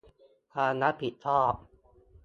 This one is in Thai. ความรับผิดชอบ